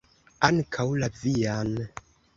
Ankaŭ la vian!